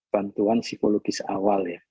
bantuan psikologis awal